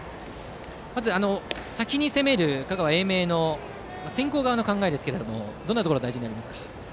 まず先に攻める香川・英明の先攻側の考えですがどんなところが大事になりますか。